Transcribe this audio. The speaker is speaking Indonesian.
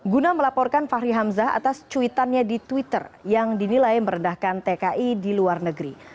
guna melaporkan fahri hamzah atas cuitannya di twitter yang dinilai merendahkan tki di luar negeri